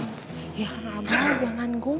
ya ngapain jangan gombal dong